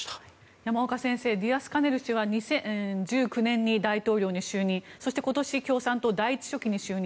山岡先生ディアスカネル氏は２０１９年に大統領に就任そして、今年共産党第１書記に就任。